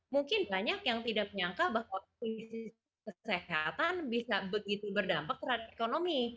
mungkin banyak yang tidak menyangka bahwa krisis kesehatan bisa begitu berdampak terhadap ekonomi